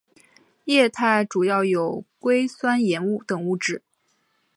液态主要有硅酸盐等物质。